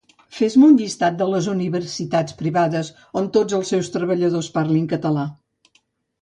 Fes-me un llistat de les Universitats Privades on tots els seus treballadors parlin català